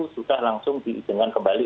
sudah langsung diizinkan kembali